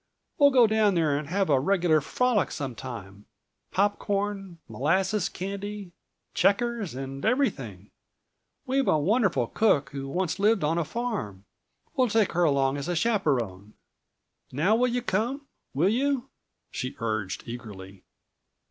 We'll go down there and have a regular frolic sometime, popcorn, molasses candy, checkers and everything. We've a wonderful cook who once lived on a farm. We'll take her along as a chaperon.233 Now will you come? Will you?" she urged eagerly.